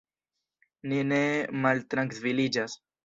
Ni ne maltrankviliĝas.